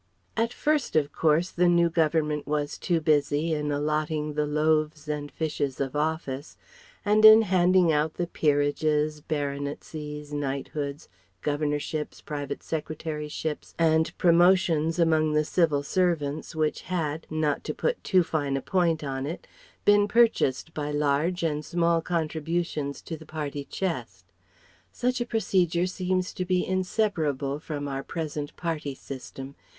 At first of course the new Government was too busy in allotting the loaves and fishes of Office and in handing out the peerages, baronetcies, knighthoods, Governorships, private secretaryships, and promotions among the civil servants which had not to put too fine a point on it been purchased by large and small contributions to the Party Chest. [Such a procedure seems to be inseparable from our present Party system.